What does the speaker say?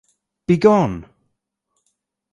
Begone!